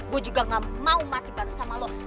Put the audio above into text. gue juga nggak mau mati bareng sama lo